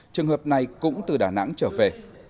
trường hợp này cũng từ đà nẵng trở về